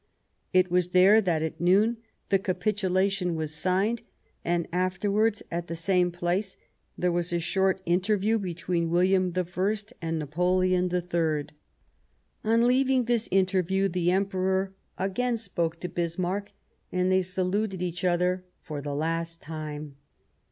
It was there that, at noon, the capitu lation was signed, and afterwards, at the same place, there was a short interview between William I and Napoleon III. On leaving this interview the Emperor again spoke to Bismarck, and they saluted each other for the last time.